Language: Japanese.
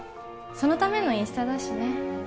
そのためのインスタだしね